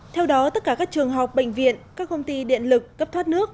theo đó tất cả các trường học bệnh viện các công ty điện lực cấp thoát nước